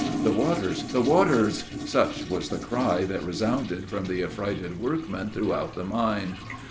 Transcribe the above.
"The waters, the waters!" such was the cry that resounded from the affrighted workmen throughout the mine.